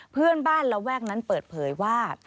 เพื่อนบ้านระแวกนั้นเปิดเผยว่า